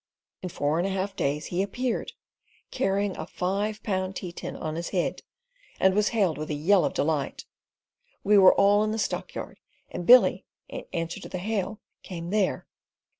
In four and a half days he appeared, carrying a five pound tea tin on his head, and was hailed with a yell of delight. We were all in the stockyard, and Billy, in answer to the hail, came there.